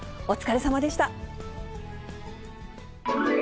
お疲れさまでした。